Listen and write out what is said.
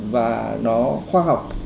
và nó khoa học